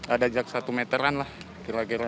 ada jarak satu meteran lah kira kira